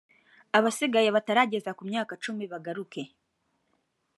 abasigaye batarageza ku myaka cumi bagaruke